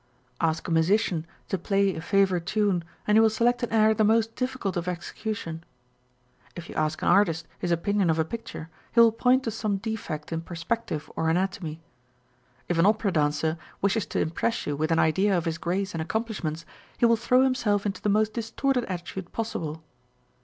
Ask a musician to play a favourite tune, and he will select an air the most difficult of execution. If you ask an artist his opinion of a picture, he will point to some defect in perspective or anatomy. If an opera dancer wishes to impress you with an idea of his grace and accomplishments, he will throw himself into the most distorted attitude possible.